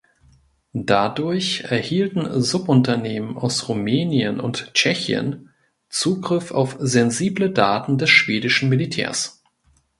Dadurch erhielten Subunternehmen aus Rumänien und Tschechien Zugriff auf sensible Daten des schwedischen Militärs.